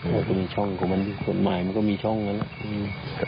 มันมีช่องของมันฝนมายมันก็มีช่องมันอ่ะ